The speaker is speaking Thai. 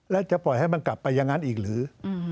แล้วจะปล่อยให้มันกลับไปอย่างนั้นอีกหรือ